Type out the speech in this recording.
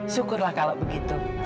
syukurlah kalau begitu